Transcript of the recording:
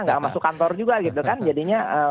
nggak masuk kantor juga gitu kan jadinya